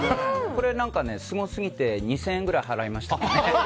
これ、すごすぎて２０００円ぐらい払いましたね。